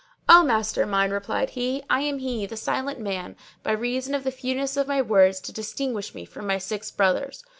"O master mine," replied he, "I am he, The Silent Man hight, by reason of the fewness of my words, to distinguish me from my six brothers.